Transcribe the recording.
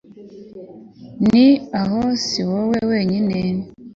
nti aho si wowe wenyine